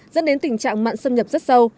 dẫn đến tình trạng mạng xâm nhập rất sâu